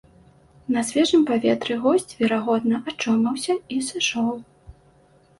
На свежым паветры госць, верагодна, ачомаўся і сышоў.